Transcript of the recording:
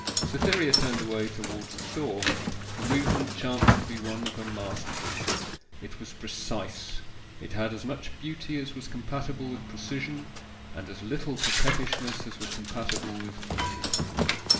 Cytherea turned away towards the door. The movement chanced to be one of her masterpieces. It was precise: it had as much beauty as was compatible with precision, and as little coquettishness as was compatible with beauty.